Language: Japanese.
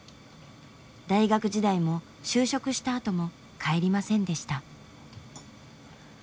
大学時代も就職したあとも帰りませんでした。